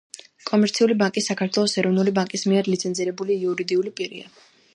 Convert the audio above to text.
კომერციული ბანკი საქართველოს ეროვნული ბანკის მიერ ლიცენზირებული იურიდიული პირია.